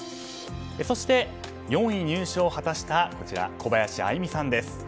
そして４位入賞を果たした小林愛実さんです。